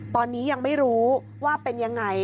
ตอนนี้ยังไม่รู้ว่าเป็นยังไง